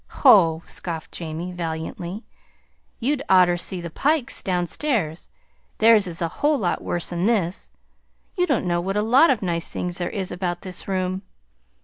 "Ho!" scoffed Jamie, valiantly. "You'd oughter see the Pikes' down stairs. Theirs is a whole lot worse'n this. You don't know what a lot of nice things there is about this room.